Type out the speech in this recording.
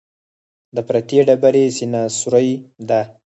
د پرتې ډبرې سینه سورۍ ده.